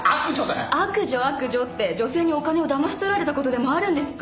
悪女悪女って女性にお金をだまし取られたことでもあるんですか？